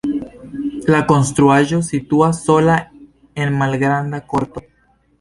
La konstruaĵo situas sola en malgranda korto.